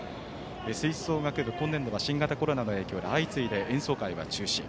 吹奏楽部、今年度は新型コロナの影響で、相次いで演奏会は中止。